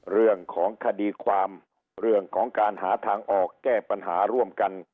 เรื่องของคดีความเรื่องของการหาทางออกแก้ปัญหาร่วมกัน